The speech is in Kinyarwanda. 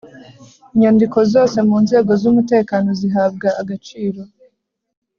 Inyandiko zose mu nzego z umutekano zihabwa agaciro